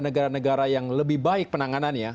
negara negara yang lebih baik penanganannya